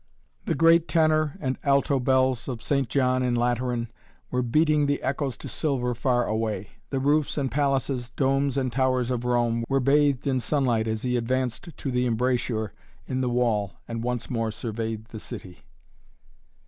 The great tenor and alto bells of St. John in Lateran were beating the echoes to silver far away. The roofs and palaces, domes and towers of Rome, were bathed in sunlight as he advanced to the embrasure in the wall and once more surveyed the city.